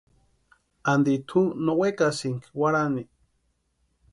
Anti tʼu no wekasinki warhani.